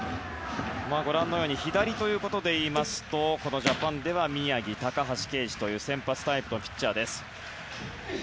左ということで言いますとこのジャパンでは宮城、高橋奎二という先発タイプのピッチャーです。